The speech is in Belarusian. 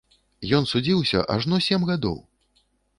Ён судзіўся ажно сем гадоў!